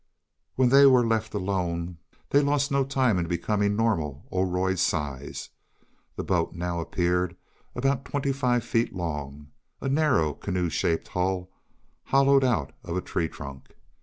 When they were left alone they lost no time in becoming normal Oroid size. The boat now appeared about twenty five feet long a narrow, canoe shaped hull hollowed out of a tree trunk.